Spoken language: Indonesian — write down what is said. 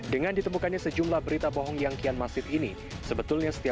dengan ditemukannya sejumlah berita bohong yang kian masif ini